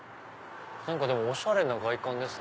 おしゃれな外観ですね。